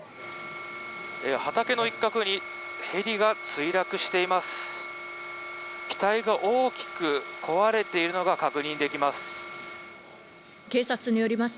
畑の一角にヘリが墜落しています。